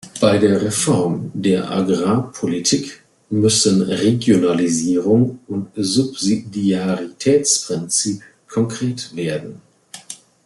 Bei der Reform der Agrarpolitik müssen Regionalisierung und Subsidiaritätsprinzip konkret werden.